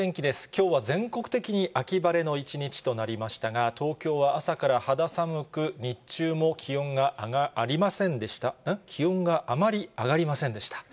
きょうは全国的に秋晴れの１日となりましたが、東京は朝から肌寒く、日中も気温があまり上がりませんでした。